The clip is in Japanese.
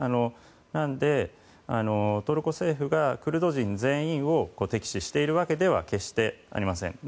なので、トルコ政府がクルド人全員を敵視しているわけでは決してありません。